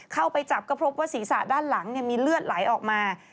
เข้าไปจับก็พบว่าศีรษะด้านหลังมีเลือดไหลออกมา